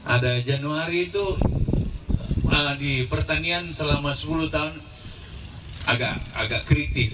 ada januari itu di pertanian selama sepuluh tahun agak kritis